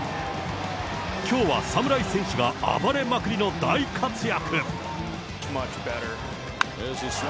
きょうは侍戦士が暴れまくりの大活躍。